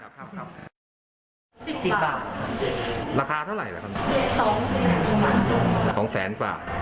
สิบสิบบาทราคาเท่าไหร่สองแสนกว่าสองแสนกว่าใช่